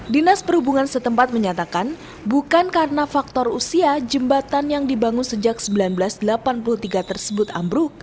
dinas perhubungan setempat menyatakan bukan karena faktor usia jembatan yang dibangun sejak seribu sembilan ratus delapan puluh tiga tersebut ambruk